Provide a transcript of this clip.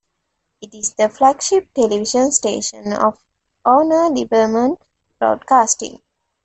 It is the flagship television station of owner Liberman Broadcasting.